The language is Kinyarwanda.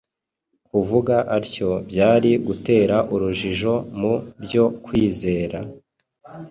Kuvuga atyo byari gutera urujijo mu byo kwizera;